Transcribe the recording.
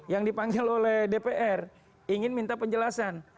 yang dipanggil oleh dpr ingin minta penjelasan